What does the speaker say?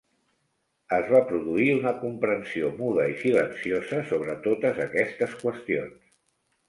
Es va produir una comprensió muda i silenciosa sobre totes aquestes qüestions.